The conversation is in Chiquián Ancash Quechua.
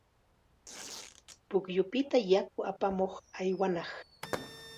Pukyupita yaku apamuq aywanaq.